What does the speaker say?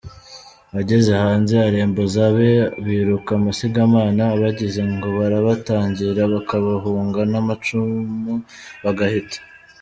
Ageze hanze, arembuza abe biruka amasigamana; abagize ngo barabatangira bakabahuga n’amacumu bagahita.